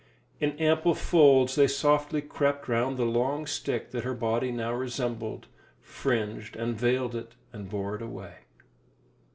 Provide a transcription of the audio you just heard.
In ample folds they softly crept round the long stick that her body now resembled, fringed and veiled it and bore it away.